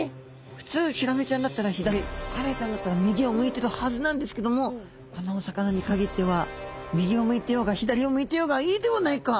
普通ヒラメちゃんだったら左カレイちゃんだったら右を向いてるはずなんですけどもこのお魚に限っては右を向いてようが左を向いていようがいいではないか。